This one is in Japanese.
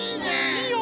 いいよ！